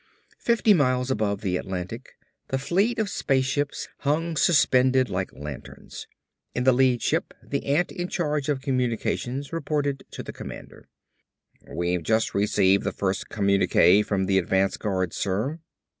Fifty miles above the Atlantic the fleet of spaceships hung suspended like lanterns. In the lead ship the ant in charge of communications reported to the commander. "We've just received the first communique from the advance guard, sir."